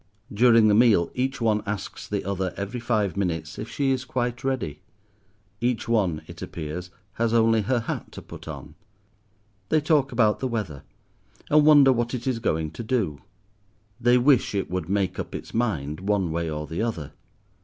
During the meal each one asks the other, every five minutes, if she is quite ready. Each one, it appears, has only her hat to put on. They talk about the weather, and wonder what it is going to do. They wish it would make up its mind, one way or the other.